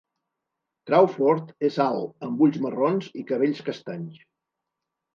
Crawford és alt amb ulls marrons i cabells castanys.